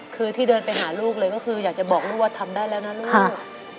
คือที่เดินไปหาลูกเลยก็คืออยากจะบอกลูกว่าทำได้แล้วนะลูก